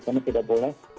kami tidak boleh